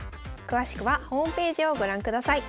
詳しくはホームページをご覧ください。